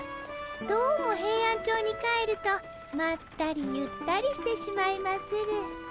どうもヘイアンチョウに帰るとまったりゆったりしてしまいまする。